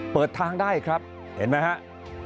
เปิดทางได้ครับเห็นไหมครับ